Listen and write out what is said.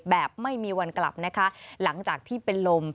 แบบไม่มีวันกลับนะคะหลังจากที่เป็นลม